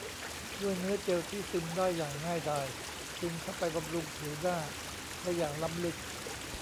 ด้วยเนื้อเจลที่ซึมได้อย่างง่ายดายจึงเข้าไปบำรุงผิวหน้าได้อย่างล้ำลึก